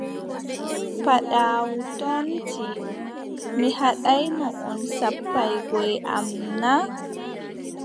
Paaɗaawu toonti: mi haɗaayno on sappaagoy am na?